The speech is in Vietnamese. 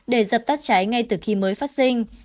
để dập tắt cháy ngay từ khi mới phát sinh